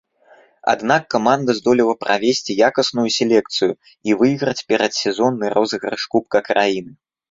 Аднак каманда здолела правесці якасную селекцыю і выйграць перадсезонны розыгрыш кубка краіны.